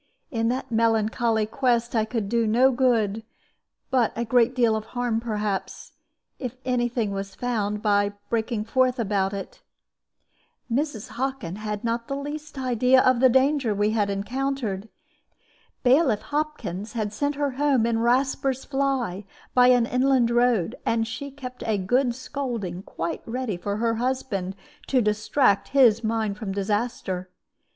In that melancholy quest I could do no good, but a great deal of harm, perhaps, if any thing was found, by breaking forth about it. Mrs. Hockin had not the least idea of the danger we had encountered. Bailiff Hopkins had sent her home in Rasper's fly by an inland road, and she kept a good scolding quite ready for her husband, to distract his mind from disaster.